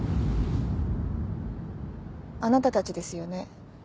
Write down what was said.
あなたたちですよね。